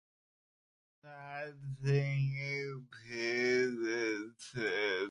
Nothing appears assertable about him apart from this kinship.